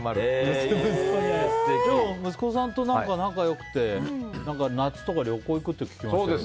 でも息子さんと仲良くて夏とか旅行行くって聞きましたけど。